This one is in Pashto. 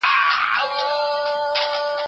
هلته ښځو او سړيو دواړو کاراوه.